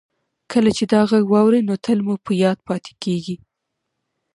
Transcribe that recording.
کله چې دا غږ واورئ نو تل مو په یاد پاتې کیږي